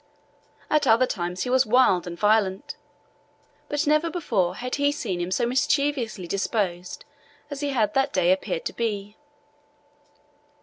At other times he was wild and violent, but never before had he seen him so mischievously disposed as he had that day appeared to be.